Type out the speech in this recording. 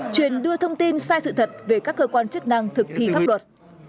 truyền đưa thông tin sai sự thật về các cơ quan chức năng thực thi pháp luật